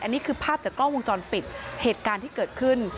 อันนี้คือภาพจากกล้องวงจรปิดเหตุการณ์ที่เกิดขึ้น